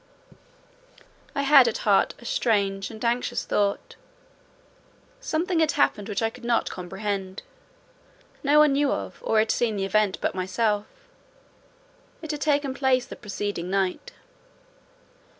I had at heart a strange and anxious thought. Something had happened which I could not comprehend; no one knew of or had seen the event but myself: it had taken place the preceding night.